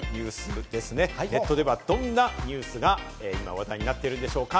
ネットではどんなニュースが話題になっているんでしょうか？